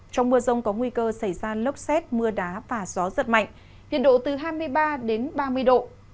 trong mưa rông có nguy cơ xảy ra lốc xét mưa đá và gió giật mạnh nhiệt độ từ hai mươi ba đến ba mươi độ